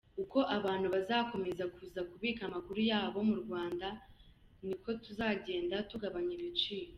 Uko abantu bazakomeza kuza kubika amakuru yabo mu Rwanda, niko tuzagenda tugabanya ibiciro.